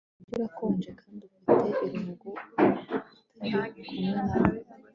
Uyu mujyi urakonje kandi ufite irungu utari kumwe nawe